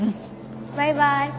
バイバイ。